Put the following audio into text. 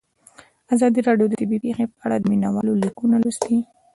ازادي راډیو د طبیعي پېښې په اړه د مینه والو لیکونه لوستي.